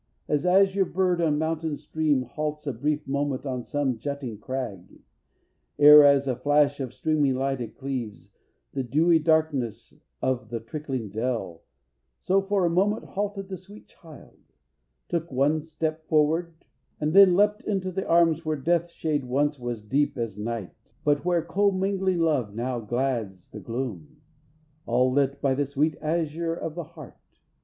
As azure bird on mountain stream Halts a brief moment on some jutting crag, Ere as a flash of streaming light it cleaves The dewy darkness of the trickling dell; So for a moment halted the sweet child, Took one step forward, and then leapt into The arms where death shade once was deep as night, But where commingling love now glads the gloom, All lit by the sweet azure of the heart.